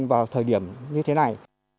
vào thời điểm như thế này